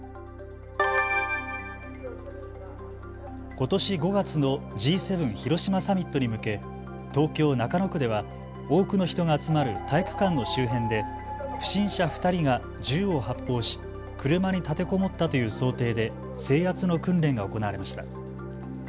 ことし５月のＧ７広島サミットに向け、東京中野区では多くの人が集まる体育館の周辺で不審者２人が銃を発砲し車に立てこもったという想定で制圧の訓練が行われました。